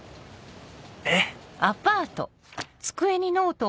えっ？